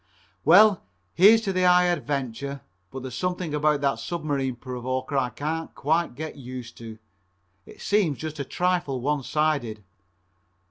Well, here's to the High Adventure, but there's something about that Submarine Provoker I can't quite get used to. It seems just a trifle one sided.